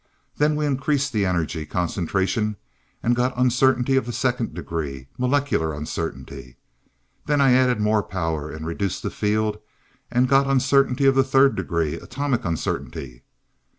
Then we increased the energy concentration and got 'Uncertainty of the Second Degree,' 'Molecular Uncertainty.' Then I added more power, and reduced the field, and got 'Uncertainty of the Third Degree' 'Atomic Uncertainty.'